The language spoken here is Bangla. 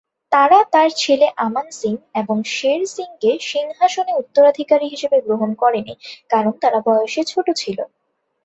তারা তার ছেলে আমান সিং এবং শের সিংকে সিংহাসনে উত্তরাধিকারী হিসেবে গ্রহণ করে নি, কারণ তারা বয়সে ছোট ছিল।